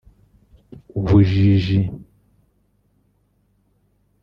ubujiji